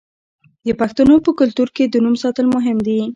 د پښتنو په کلتور کې د نوم ساتل مهم دي.